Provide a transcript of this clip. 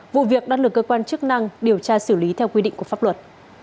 vụ việc đang được cơ quan chức năng điều tra xử lý theo quy định của pháp luật